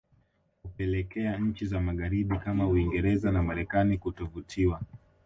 kupelekea nchi za magharibi kama Uingereza na Marekani kutovutiwa